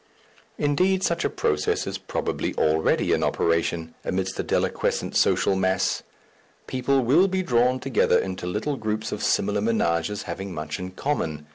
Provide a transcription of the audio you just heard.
Indeed, such a process is probably already in operation, amidst the deliquescent social mass. People will be drawn together into little groups of similar ménages having much in common.